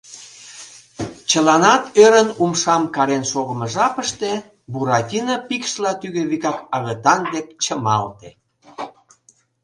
Чыланат ӧрын умшам карен шогымо жапыште Буратино пикшла тӱгӧ вигак агытан дек чымалте.